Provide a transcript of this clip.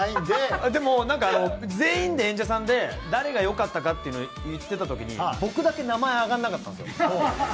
でもなんかあの全員で演者さんで誰が良かったかっていうの言ってた時に僕だけ名前挙がらなかったんですよ。